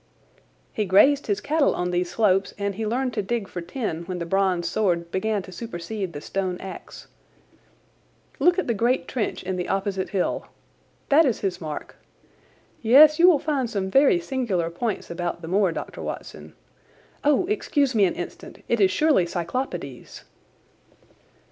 "He grazed his cattle on these slopes, and he learned to dig for tin when the bronze sword began to supersede the stone axe. Look at the great trench in the opposite hill. That is his mark. Yes, you will find some very singular points about the moor, Dr. Watson. Oh, excuse me an instant! It is surely Cyclopides."